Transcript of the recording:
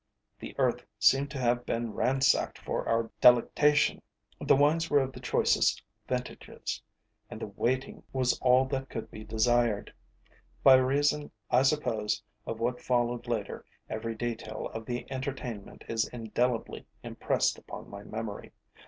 The earth seemed to have been ransacked for our delectation. The wines were of the choicest vintages, and the waiting was all that could be desired. By reason, I suppose, of what followed later, every detail of the entertainment is indelibly impressed upon my memory.